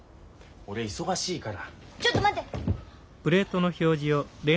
俺忙しいから。